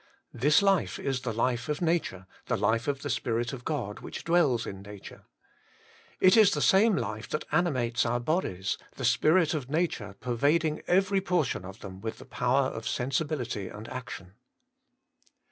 This life is the life of nature, the life of the Spirit of God which dwells in nature. It is the same life that animates our bodies, the spirit of nature pervading every portion of them with the power of sensibility and action.